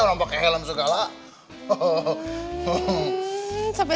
lompat helm segala hahaha